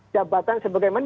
jabatan sebagai mendat